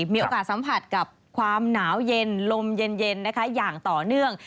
มีโอกาสสัมผัสกับความหนาวเย็นลมเย็นนะคะอย่างต่อเนื่อง